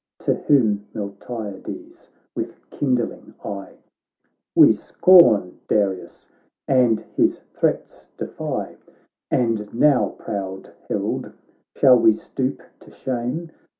To whom Miltiades with kindling eye :' We scorn Darius, and his threats defy ; And now, proud herald, shall we stoop to shame